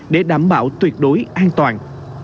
để đảm bảo tuyệt đối an toàn